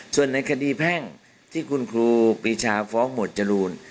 ส่วนในคดีแพ่งที่คุณครูปีชาฟ้องหมวดจรูน